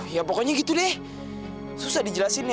ya pokoknya gitu deh susah dijelasin ya